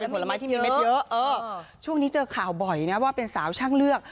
ผลไม้ที่มีเม็ดเยอะเออช่วงนี้เจอข่าวบ่อยนะว่าเป็นสาวช่างเลือก